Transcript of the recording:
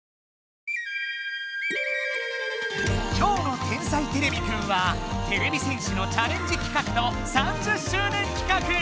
今日の「天才てれびくん」はてれび戦士のチャレンジ企画と３０周年企画！